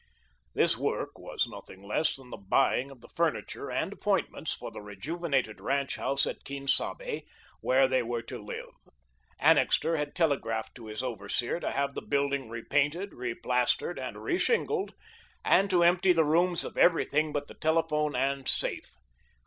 This work was nothing less than the buying of the furniture and appointments for the rejuvenated ranch house at Quien Sabe, where they were to live. Annixter had telegraphed to his overseer to have the building repainted, replastered, and reshingled and to empty the rooms of everything but the telephone and safe.